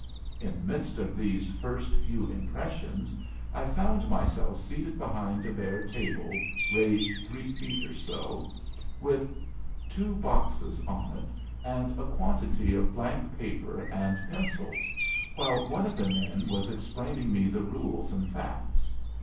In the midst of these first few impressions I found myself seated behind a bare table raised three feet or so, with two boxes on it, and a quantity of blank paper and pencils, while one of the men was explaining me the rules and facts.